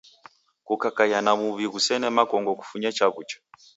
Kukakaia na muw'i ghusene makongo kufunye chaw'ucha.